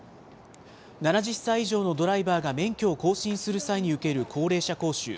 ７０歳以上のドライバーが免許を更新する際に受ける高齢者講習。